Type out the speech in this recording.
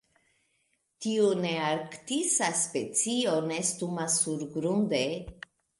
Tiu nearktisa specio nestumas surgrunde.